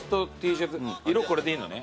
色これでいいのね。